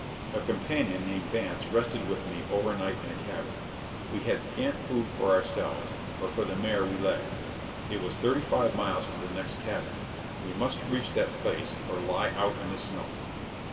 A companion named Vance rested with me overnight in a cabin. We had scant food for ourselves or for the mare we led. It was thirty five miles to the next cabin; we must reach that place or lie out in the snow.